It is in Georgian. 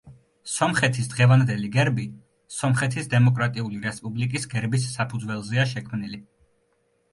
სომხეთის დღევანდელი გერბი სომხეთის დემოკრატიული რესპუბლიკის გერბის საფუძველზეა შექმნილი.